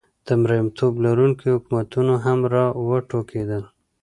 د مریتوب لرونکي حکومتونه هم را وټوکېدل.